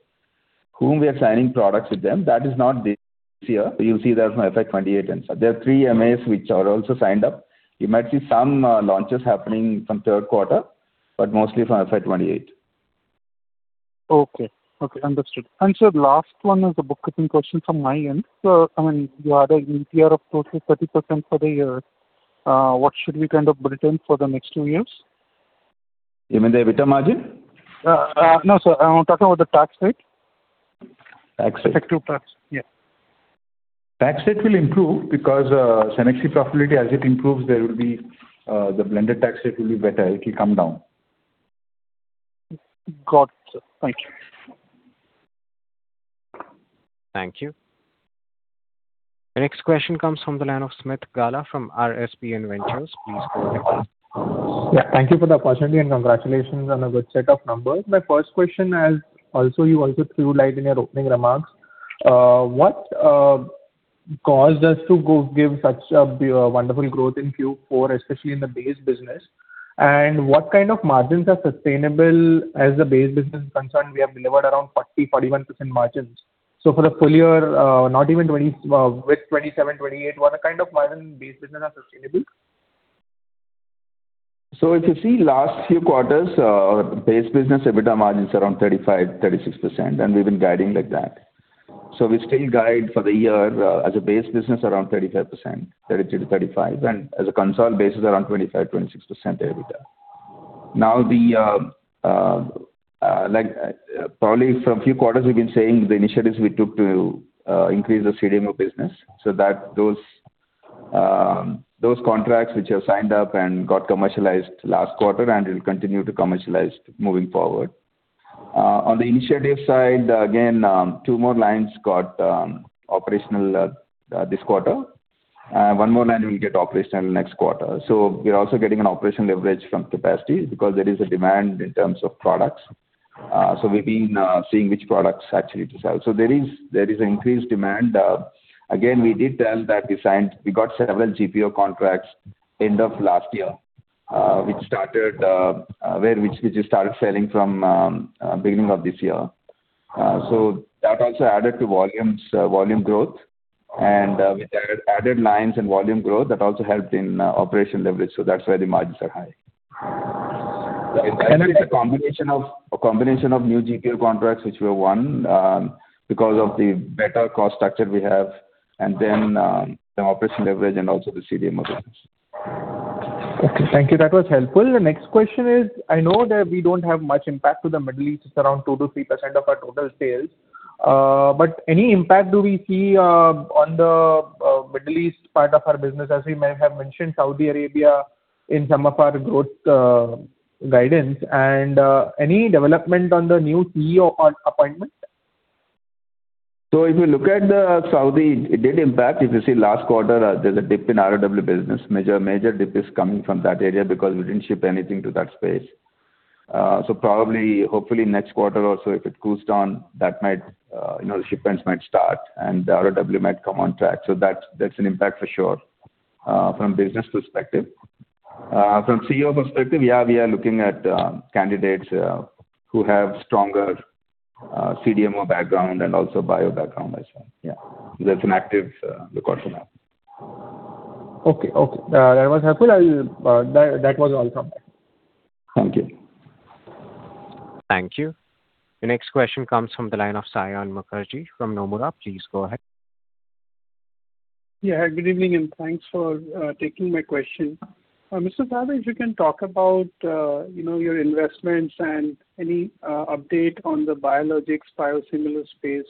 Speaker 3: whom we are signing products with them, that is not this year. You'll see that from FY 2028 and so. There are three MAs which are also signed up. You might see some launches happening from third quarter, but mostly from FY 2028.
Speaker 12: Okay. Okay, understood. Sir, last one is a bookkeeping question from my end. I mean, you had a EBITDA of total 30% for the year. What should we kind of build in for the next two years?
Speaker 3: You mean the EBITDA margin?
Speaker 12: No, sir. I'm talking about the tax rate.
Speaker 3: Tax rate.
Speaker 12: Effective tax, yeah.
Speaker 3: Tax rate will improve because, Cenexi profitability as it improves, there will be, the blended tax rate will be better. It will come down.
Speaker 12: Got it, sir. Thank you.
Speaker 1: Thank you. The next question comes from the line of Smith Gala from RSPN Ventures. Please go ahead.
Speaker 13: Yeah, thank you for the opportunity, congratulations on a good set of numbers. My first question is also, you also threw light in your opening remarks. What caused us to go give such a wonderful growth in Q4, especially in the Base business? What kind of margins are sustainable as the Base business is concerned? We have delivered around 40%-41% margins. For the full year, not even 20%, with 27%-28%, what kind of margin Base business are sustainable?
Speaker 3: If you see last few quarters, our Base business EBITDA margin is around 35%-36%, and we've been guiding like that. We still guide for the year, as a Base business around 35%, 32%-35%, and as a consol basis around 25%-26% EBITDA. Now the probably from few quarters we've been saying the initiatives we took to increase the CDMO business so that those those contracts which have signed up and got commercialized last quarter and will continue to commercialize moving forward. On the initiative side, again, two more lines got operational this quarter. One more line will get operational next quarter. We're also getting an operational leverage from capacity because there is a demand in terms of products. So we've been seeing which products actually to sell. There is an increased demand. Again, we did tell that we got several GPO contracts end of last year, which started selling from beginning of this year. That also added to volumes, volume growth. With the added lines and volume growth, that also helped in operational leverage, so that's why the margins are high.
Speaker 13: Okay.
Speaker 3: It's a combination of new GPO contracts which we have won, because of the better cost structure we have and then, the operational leverage and also the CDMO volumes.
Speaker 13: Okay. Thank you. That was helpful. The next question is, I know that we don't have much impact to the Middle East. It's around 2%-3% of our total sales, but any impact do we see on the Middle East part of our business as we may have mentioned Saudi Arabia in some of our growth guidance and any development on the new CEO on appointment?
Speaker 3: If you look at the Saudi, it did impact. If you see last quarter, there's a dip in ROW business. Major dip is coming from that area because we didn't ship anything to that space. Probably, hopefully next quarter also, if it cools down, that might, you know, the shipments might start and the ROW might come on track. That's an impact for sure from business perspective. From CEO perspective, yeah, we are looking at candidates who have stronger CDMO background and also bio background as well. Yeah. That's an active requirement.
Speaker 13: Okay. Okay. That was helpful. I'll, that was all from me.
Speaker 3: Thank you.
Speaker 1: Thank you. The next question comes from the line of Saion Mukherjee from Nomura. Please go ahead.
Speaker 14: Yeah. Good evening, and thanks for taking my question. Mr. Srinivas, if you can talk about, you know, your investments and any update on the biologics biosimilar space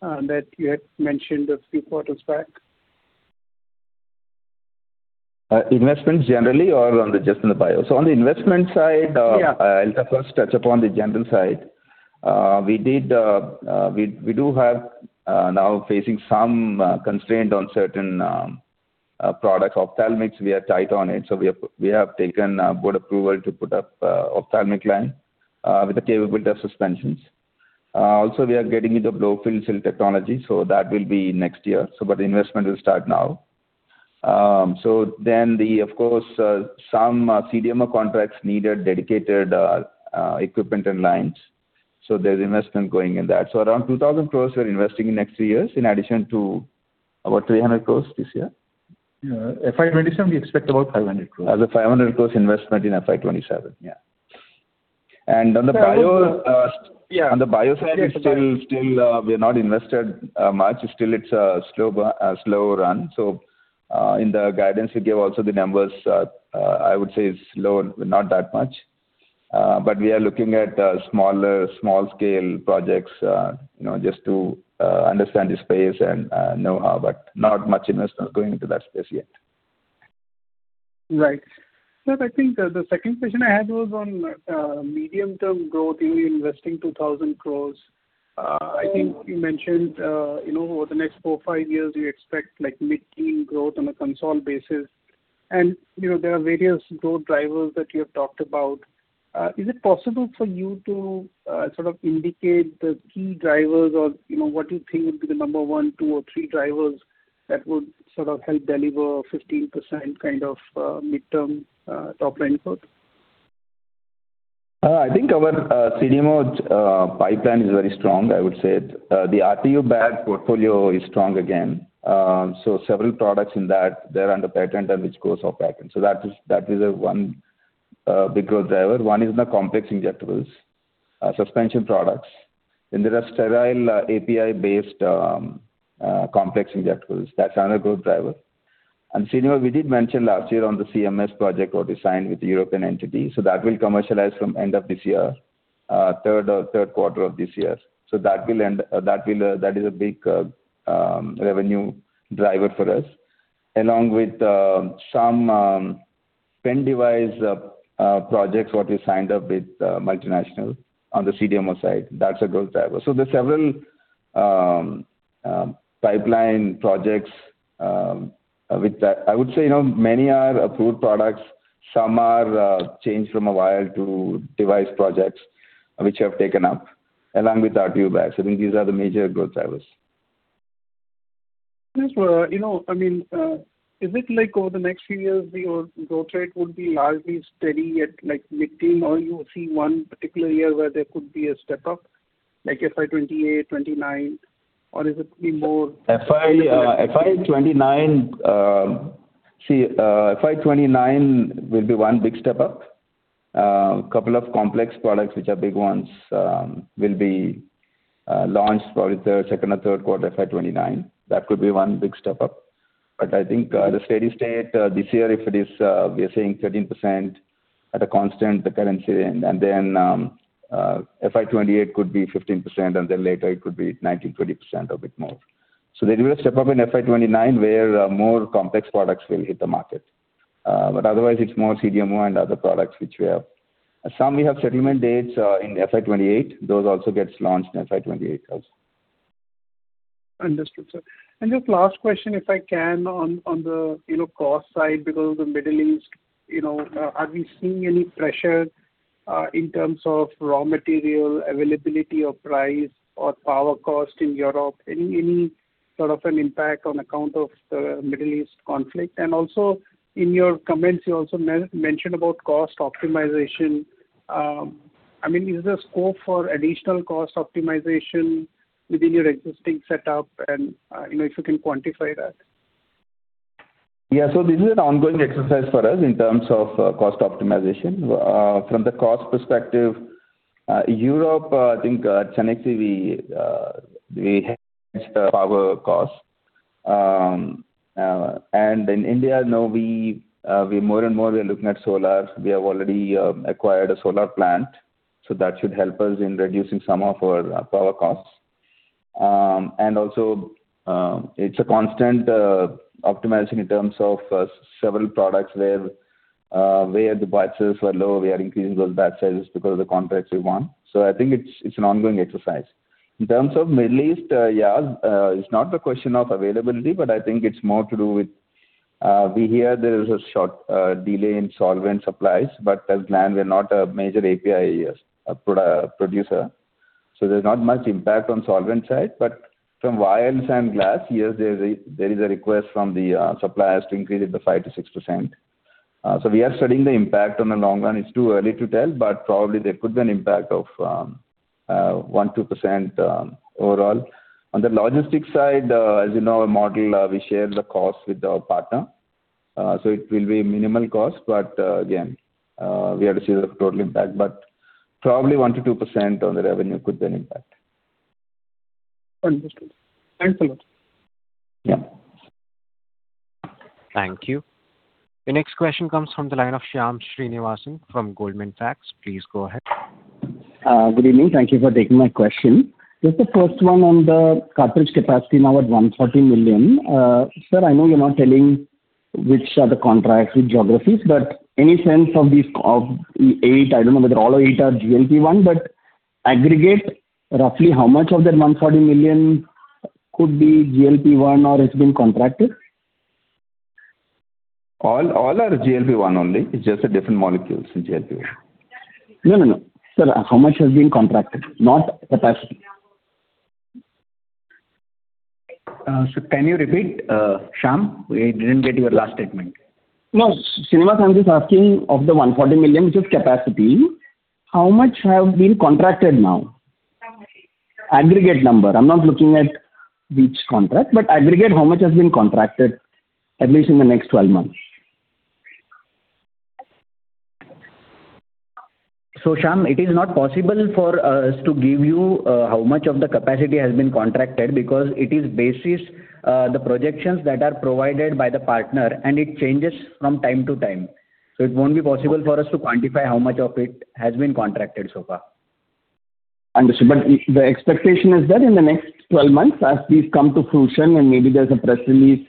Speaker 14: that you had mentioned a few quarters back.
Speaker 3: Investments generally or on the just in the bio? On the investment side-
Speaker 14: Yeah
Speaker 3: I'll first touch upon the general side. We do have now facing some constraint on certain products. Ophthalmics, we are tight on it, so we have taken board approval to put up ophthalmic line with the capability of suspensions. Also we are getting into blow-fill-seal technology, so that will be next year. But the investment will start now. Of course, some CDMO contracts needed dedicated equipment and lines, so there's investment going in that. Around 2,000 crores we're investing in next three years in addition to about 300 crores this year.
Speaker 5: Yeah. FY 2027 we expect about 500 crores.
Speaker 3: As a 500 crores investment in FY 2027, yeah.
Speaker 14: So-
Speaker 3: On the bio side.
Speaker 14: Yeah, sorry.
Speaker 3: still, we're not invested much. Still it's a slow run. In the guidance we gave also the numbers, I would say it's slow, not that much. But we are looking at smaller, small scale projects, you know, just to understand the space and know how, but not much investment going into that space yet.
Speaker 14: Right. Sir, I think the second question I had was on medium-term growth. You're investing 2,000 crores. I think you mentioned, you know, over the next four, five years you expect like mid-teen growth on a consolidated basis. And, you know, there are various growth drivers that you have talked about. Is it possible for you to sort of indicate the key drivers or, you know, what you think would be the number one, two or three drivers that would sort of help deliver 15% kind of, midterm, top line growth?
Speaker 3: I think our CDMO pipeline is very strong, I would say. The RTU bag portfolio is strong again. Several products in that, they're under patent and which goes off-patent. That is a one big growth driver. One is in the complex injectables, suspension products. There are sterile API-based complex injectables. That's another growth driver. Saion, we did mention last year on the CMS project what we signed with the European entity. That will commercialize from end of this year, third quarter of this year. That will, that is a big revenue driver for us, along with some pen device projects what we signed up with multinational on the CDMO side. That's a growth driver. There are several pipeline projects with that. I would say, you know, many are approved products. Some are changed from a vial to device projects which have taken up, along with RTU bags. I think these are the major growth drivers.
Speaker 14: Yes. you know, I mean, is it like over the next few years the growth rate would be largely steady at like mid-teen or you see one particular year where there could be a step up, like FY 2028, 2029 or is it be more?
Speaker 3: FY 2029 will be one big step up. Couple of complex products which are big ones will be launched probably second or thirrd quarter FY 2029. That could be one big step up. I think the steady state this year if it is, we are saying 13% at a constant, the currency, and then FY 2028 could be 15%, and then later it could be 19%-20% or bit more. There is a step up in FY 2029 where more complex products will hit the market. Otherwise it's more CDMO and other products which we have. Some we have settlement dates in FY 2028. Those also gets launched in FY 2028 also.
Speaker 14: Understood, sir. Just last question, if I can, on the, you know, cost side because of the Middle East, you know, are we seeing any pressure in terms of raw material availability or price or power cost in Europe? Any sort of an impact on account of the Middle East conflict? Also in your comments you also mentioned about cost optimization. I mean, is there scope for additional cost optimization within your existing setup and, you know, if you can quantify that?
Speaker 3: Yeah. This is an ongoing exercise for us in terms of cost optimization. From the cost perspective, Europe, I think Cenexi we hedge the power cost. In India now we more and more we are looking at solar. We have already acquired a solar plant, so that should help us in reducing some of our power costs. Also, it's a constant optimizing in terms of several products where the batch sizes were low, we are increasing those batch sizes because of the contracts we won. I think it's an ongoing exercise. In terms of Middle East, it's not a question of availability, but I think it's more to do with, we hear there is a short delay in solvent supplies. As planned, we're not a major API pro-producer, so there's not much impact on solvent side. From vials and glass, yes, there is a request from the suppliers to increase it by 5%-6%. We are studying the impact on the long run. It's too early to tell, but probably there could be an impact of 1%-2% overall. On the logistics side, as you know our model, we share the cost with our partner. It will be minimal cost, but again, we have to see the total impact, but probably 1%-2% on the revenue could be an impact.
Speaker 14: Understood. Thanks a lot.
Speaker 3: Yeah.
Speaker 1: Thank you. The next question comes from the line of Shyam Srinivasan from Goldman Sachs. Please go ahead.
Speaker 15: Good evening. Thank you for taking my question. Just the first one on the cartridge capacity now at 140 million. Sir, I know you're not telling which are the contracts with geographies, but any sense of these, of eight, I don't know whether all eight are GLP-1, but aggregate roughly how much of that 140 million could be GLP-1 or has been contracted?
Speaker 3: All are GLP-1 only. It's just different molecules in GLP-1.
Speaker 15: No, no. Sir, how much has been contracted? Not capacity.
Speaker 2: Sir, can you repeat, Shyam? We didn't get your last statement.
Speaker 15: Shriniwas, I'm just asking of the 140 million which is capacity, how much have been contracted now? Aggregate number. I'm not looking at which contract, aggregate how much has been contracted at least in the next 12 months.
Speaker 2: Shyam, it is not possible for us to give you, how much of the capacity has been contracted because it is basis, the projections that are provided by the partner, and it changes from time to time. It won't be possible for us to quantify how much of it has been contracted so far.
Speaker 15: Understood. The expectation is that in the next 12 months, as these come to fruition and maybe there's a press release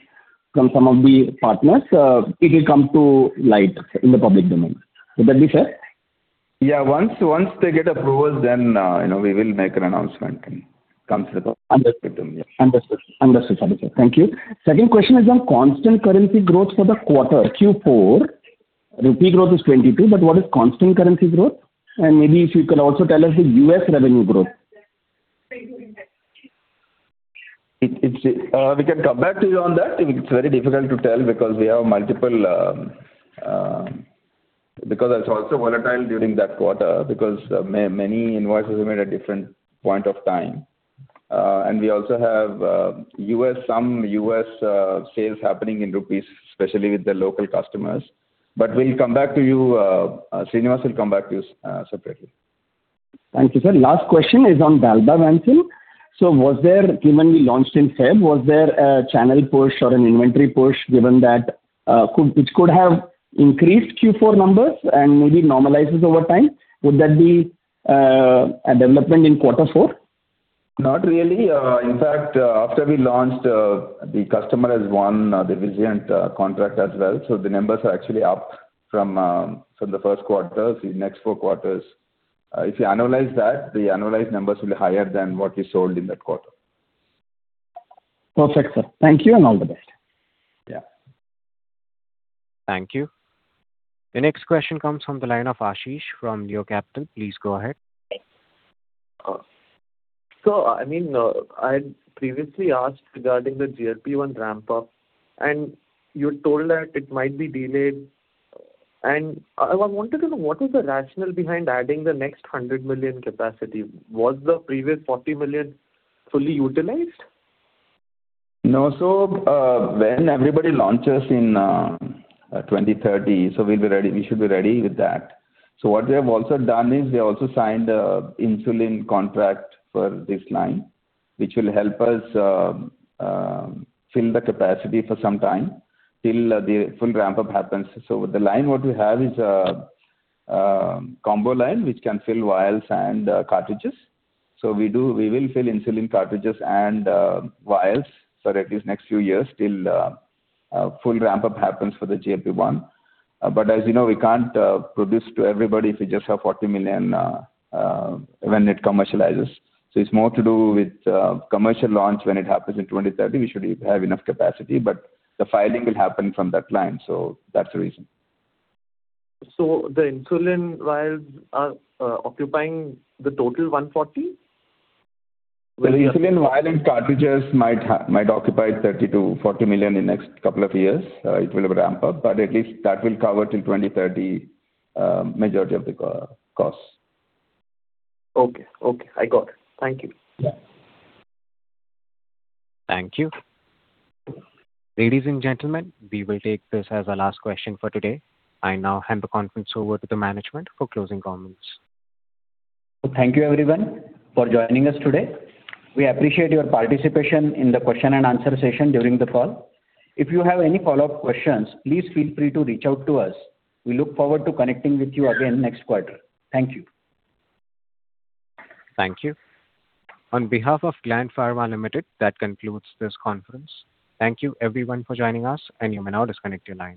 Speaker 15: from some of the partners, it will come to light in the public domain. Would that be fair?
Speaker 3: Yeah. Once they get approvals, then, you know, we will make an announcement and comes with the.
Speaker 15: Understood.
Speaker 3: Yeah.
Speaker 15: Understood. Understood. Thank you, sir. Thank you. Second question is on constant currency growth for the quarter Q4. INR growth is 22%, but what is constant currency growth? Maybe if you can also tell us the U.S. revenue growth.
Speaker 3: It's, we can come back to you on that. It's very difficult to tell because we have multiple. Because it's also volatile during that quarter because many invoices were made at different point of time. We also have U.S., some U.S. sales happening in rupees, especially with the local customers. We'll come back to you. Shriniwas will come back to you separately.
Speaker 15: Thank you, sir. Last question is on the dalbavancin. Given we launched in February, was there a channel push or an inventory push given that which could have increased Q four numbers and maybe normalizes over time? Would that be a development in quarter four?
Speaker 3: Not really. In fact, after we launched, the customer has won, the Vizient, contract as well. The numbers are actually up from the first quarter, the next four quarters. If you annualize that, the annualized numbers will be higher than what we sold in that quarter.
Speaker 15: Perfect, sir. Thank you, and all the best.
Speaker 3: Yeah.
Speaker 1: Thank you. The next question comes from the line of Ashish from Leo Capital. Please go ahead.
Speaker 11: I mean, I previously asked regarding the GLP-1 ramp up, and you told that it might be delayed. I wanted to know, what is the rationale behind adding the next 100 million capacity? Was the previous 40 million fully utilized?
Speaker 3: No. When everybody launches in 2030, we should be ready with that. What they have also done is they also signed a insulin contract for this line, which will help us fill the capacity for some time till the full ramp-up happens. The line what we have is combo line, which can fill vials and cartridges. We will fill insulin cartridges and vials for at least next few years till full ramp-up happens for the GLP-1. As you know, we can't produce to everybody if we just have 40 million when it commercializes. It's more to do with commercial launch. When it happens in 2030, we should have enough capacity, but the filing will happen from that line. That's the reason.
Speaker 11: The insulin vials are occupying the total140 millon?
Speaker 3: The insulin vial and cartridges might occupy 30 million-40 million in next couple of years. It will ramp up, but at least that will cover till 2030, majority of the costs.
Speaker 11: Okay. Okay, I got it. Thank you.
Speaker 3: Yeah.
Speaker 1: Thank you. Ladies and gentlemen, we will take this as our last question for today. I now hand the conference over to the management for closing comments.
Speaker 2: Thank you, everyone, for joining us today. We appreciate your participation in the question and answer session during the call. If you have any follow-up questions, please feel free to reach out to us. We look forward to connecting with you again next quarter. Thank you.
Speaker 1: Thank you. On behalf of Gland Pharma Limited, that concludes this conference. Thank you everyone for joining us, and you may now disconnect your lines.